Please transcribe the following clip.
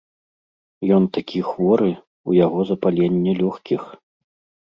Ён такі хворы, у яго запаленне лёгкіх.